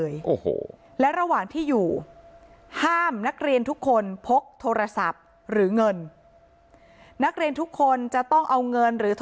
อย่างน้อยปีนึง